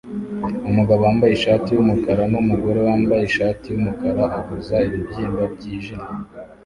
Umugabo wambaye ishati yumukara numugore wambaye ishati yumukara avuza ibibyimba byijimye